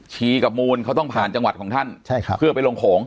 ีกับมูลเขาต้องผ่านจังหวัดของท่านเพื่อไปลงโขง